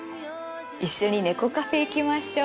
一緒に猫カフェ行きましょう。